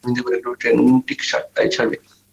Train ঠিক সাতটায় ছাড়বে।